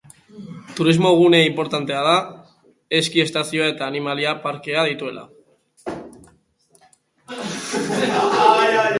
Turismo gune inportantea da, eski estazioa eta animalia parkea dituela.